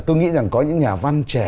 tôi nghĩ rằng có những nhà văn trẻ